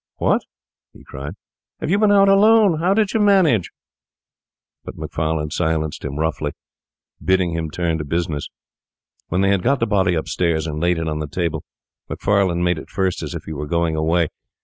'What?' he cried. 'Have you been out alone? How did you manage?' But Macfarlane silenced him roughly, bidding him turn to business. When they had got the body upstairs and laid it on the table, Macfarlane made at first as if he were going away.